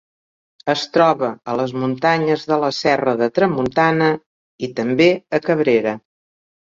Es troba a les muntanyes de la Serra de Tramuntana, i també a Cabrera.